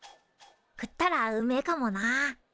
食ったらうめえかもな。